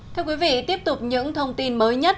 thưa quý vị tiếp tục những thông tin mới nhất